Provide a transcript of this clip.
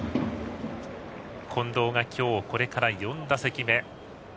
近藤が今日、これから４打席目。